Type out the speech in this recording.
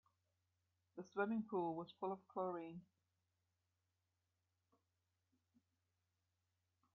The swimming pool was full of chlorine.